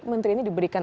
menteri ini diberikan